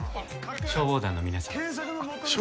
消防団の皆さんです。